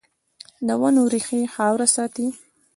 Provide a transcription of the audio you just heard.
د ونو ریښې خاوره ساتي